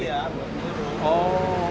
iya buat nguruk